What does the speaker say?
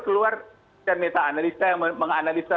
keluar dan meta analisa yang menganalisa